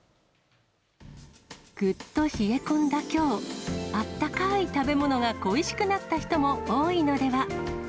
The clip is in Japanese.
ぐっと冷え込んだきょう、あったかい食べ物が恋しくなった人も多いのでは。